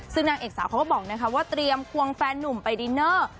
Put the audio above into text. ซึ่งนางเอกสาวเขาก็บอกนะคะว่าเตรียมควงแฟนนุ่มไปดินเนอร์